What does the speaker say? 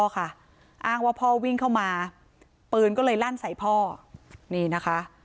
อ้างว่าพ่อวิ่งเข้ามาปืนก็เลยลั่นใส่พ่อนี่นะคะ